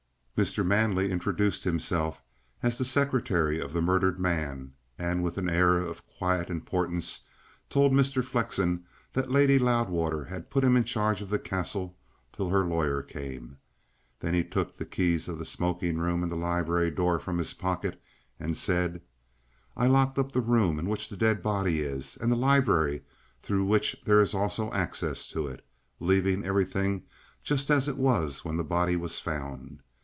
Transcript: Mr. Manley introduced himself as the secretary of the murdered man, and with an air of quiet importance told Mr. Flexen that Lady Loudwater had put him in charge of the Castle till her lawyer came. Then he took the keys of the smoking room and the library door from his pocket and said: "I locked up the room in which the dead body is, and the library through which there is also access to it, leaving everything just as it was when the body was found.